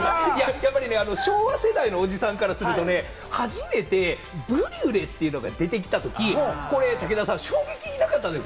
昭和世代のおじさんからするとね、初めてブリュレというのが出てきたとき、これ武田さん、衝撃なかったです？